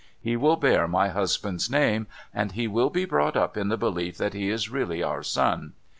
He will bear my husband's name, and he will be brought up in the belief that he is really our son.